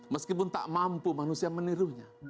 meskipun tak mampu manusia menirunya